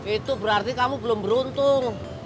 itu berarti kamu belum beruntung